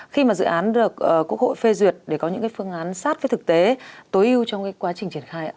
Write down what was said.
khi mà dự án được quốc hội phê duyệt để có những phương án sát với thực tế tối ưu trong quá trình triển khai ạ